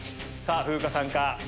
風花さんか？